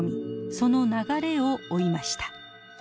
その流れを追いました。